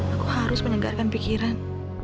aku harus menyegarkan pikiran